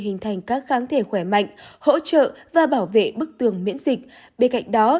hình thành các kháng thể khỏe mạnh hỗ trợ và bảo vệ bức tường miễn dịch bên cạnh đó